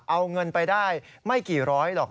เอาเงินไปได้ไม่กี่ร้อยหรอก